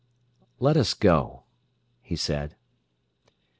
"Let us go," he said.